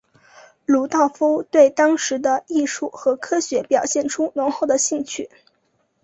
鲁道夫对当时的艺术和科学表现出浓厚的兴趣。